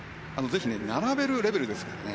ぜひ、並べるレベルですからね。